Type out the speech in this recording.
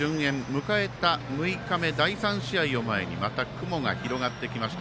迎えた６日目第３試合を前にまた雲が広がってきました。